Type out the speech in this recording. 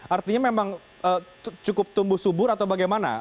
artinya memang cukup tumbuh subur atau bagaimana